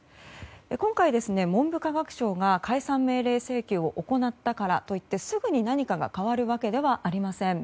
今回、文部科学省が解散命令請求を行ったからといってすぐに何かが変わるわけではありません。